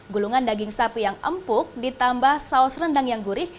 gulungan daging sapi yang empuk ditambah saus rendang yang gurih